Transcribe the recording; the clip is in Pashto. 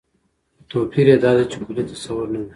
خو توپير يې دا دى، چې کلي تصور نه دى